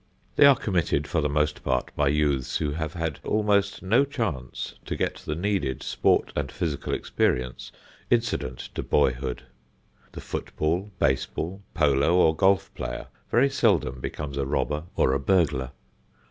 They are committed for the most part by youths who have had almost no chance to get the needed sport and physical experience incident to boyhood. The foot ball, base ball, polo or golf player very seldom becomes a robber or a burglar.